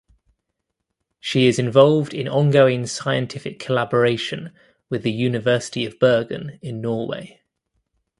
She is involved in ongoing scientific collaboration with the University of Bergen in Norway.